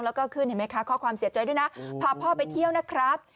แล้วก็ขึ้นเห็นไหมคะข้อความเสียใจด้วยนะพาพ่อไปเที่ยวนะครับ